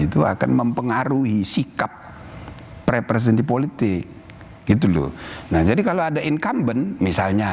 itu akan mempengaruhi sikap preventif politik gitu loh nah jadi kalau ada incumbent misalnya